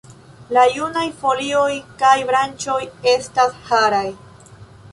La junaj folioj kaj branĉoj estas haraj.